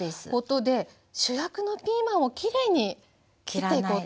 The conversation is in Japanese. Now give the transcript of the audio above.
主役のピーマンをきれいに切っていこうと。